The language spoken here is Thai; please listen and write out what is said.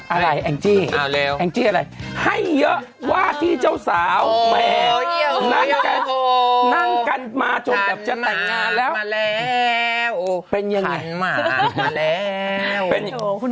อะไรแอ็งจี้แอ็งจี้อะไรให้เยอะว่าที่เจ้าสาวแบบนั่งกันมาจนแบบจะต่างัดมาแล้ว